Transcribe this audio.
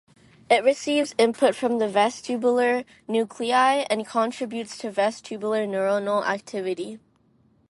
It receives input from the vestibular nuclei and contributes to vestibular neuronal activity.